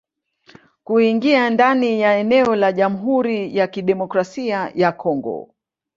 Kuingia ndani ya eneo la Jamhuri ya Kidemokrasia ya Kongo